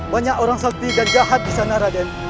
banyak orang sokti dan jahat di sana raden